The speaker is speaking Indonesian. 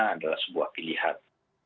adalah sebuah pilihan